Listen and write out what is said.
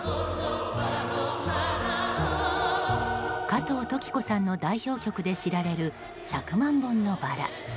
加藤登紀子さんの代表曲で知られる「百万本のバラ」。